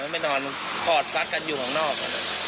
ไม่นอนกอดฟักกันอยู่ข้างนอก